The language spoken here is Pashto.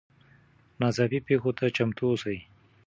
ناڅاپي پیښو ته چمتو اوسئ.